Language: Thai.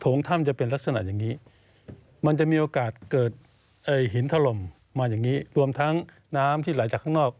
โถงถ้ำจะเป็นลักษณะแบบนี้มันจะมีโอกาสจะเกิดหินทรลมมาแบบนี้รวมทั้งน้ำที่ลายค่างนอก